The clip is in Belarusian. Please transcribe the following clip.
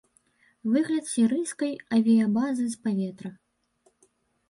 Выгляд сірыйскай авіябазы з паветра.